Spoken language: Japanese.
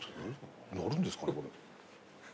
鳴るんですかねこれ。